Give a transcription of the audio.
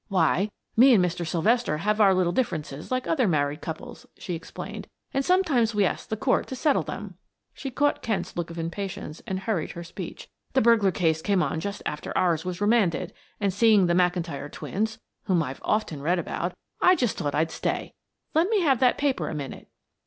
"Why, me and Mr. Sylvester have our little differences like other married couples," she explained. "And sometimes we ask the Court to settle them." She caught Kent's look of impatience and hurried her speech. "The burglar case came on just after ours was remanded, and seeing the McIntyre twins, whom I've often read about, I just thought I'd stay. Let me have that paper a minute."